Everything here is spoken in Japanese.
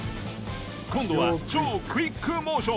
今度は超クイックモーション。